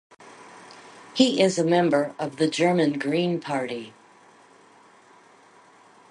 He is a member of the German Green party.